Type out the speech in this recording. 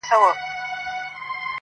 خو هيڅ حل نه پيدا کيږي،